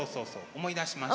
思い出しました。